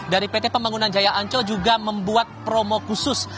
dari pt pembangunan jaya ancol juga membuat promo khusus